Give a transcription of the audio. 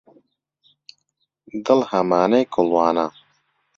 دڵ هەمانەی کۆڵوانە